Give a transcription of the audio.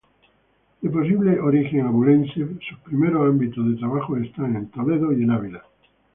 De posible origen abulense, sus primeros ámbitos de trabajo están en Toledo y Ávila.